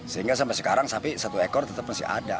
sehingga sampai sekarang sapi satu ekor tetap masih ada